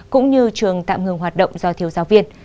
cũng như trường tạm ngừng hoạt động do thiếu giáo viên